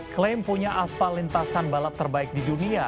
klaim punya aspal lintasan balap terbaik di dunia